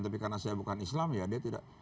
tapi karena saya bukan islam ya dia tidak